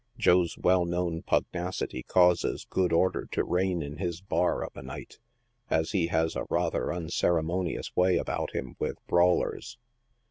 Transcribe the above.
Joe's well known pugnacity causes good order to reign in his bar of a night, as he has a rather uncere monious way about him with brawlers.